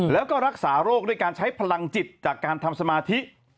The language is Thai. แล้วก็รักษาโรคด้วยการใช้พลังจิตจากการทำสมาธิ